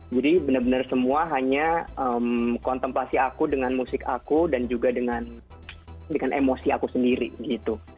jadi benar benar semua hanya kontemplasi aku dengan musik aku dan juga dengan emosi aku sendiri gitu